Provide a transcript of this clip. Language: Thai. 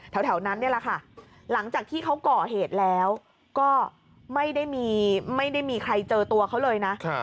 แถวนั้นนี่แหละค่ะหลังจากที่เขาก่อเหตุแล้วก็ไม่ได้มีใครเจอตัวเขาเลยนะ